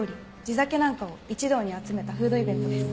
酒なんかを一堂に集めたフードイベントです。